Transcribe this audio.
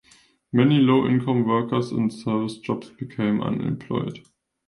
Many low income workers in service jobs became unemployed.